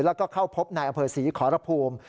และเข้าพบนายออศขอระภูมิ